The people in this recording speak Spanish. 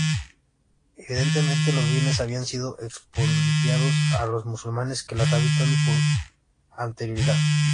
Evidentemente, los bienes habían sido expropiados a los musulmanes que las habitaban con anterioridad.